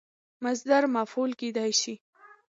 مصدر مفعول کېدای سي.